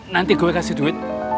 nanti gue kasih duit